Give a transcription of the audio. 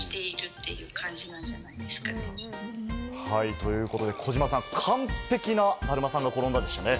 ということで児嶋さん、完璧なだるまさんが転んだでしたね。